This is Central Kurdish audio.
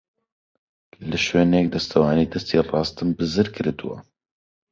لە شوێنێک دەستوانەی دەستی ڕاستم بزر کردووە.